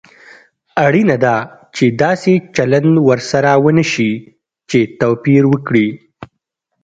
اړینه ده چې داسې چلند ورسره ونشي چې توپير وکړي.